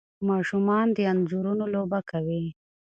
ماشومان د انځورونو لوبه کوي.